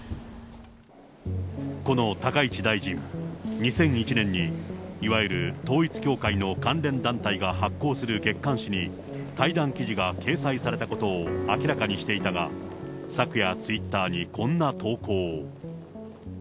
この高市大臣、２００１年に、いわゆる統一教会の関連団体が発行する月刊誌に対談記事が掲載されたことを明らかにしていたが、昨夜、ツイッターにこんな投稿を。